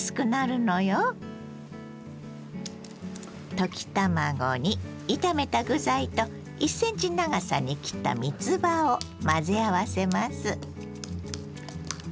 溶き卵に炒めた具材と１ｃｍ長さに切ったみつばを混ぜ合わせます。